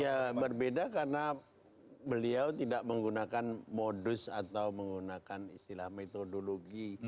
ya berbeda karena beliau tidak menggunakan modus atau menggunakan istilah metodologi